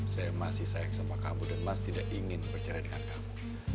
saya masih sayang sama kamu dan mas tidak ingin berbicara dengan kamu